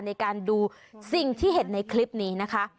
ในการดูสิ่งที่เห็นในคลิปนี้นะคะ